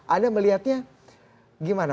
anda melihatnya gimana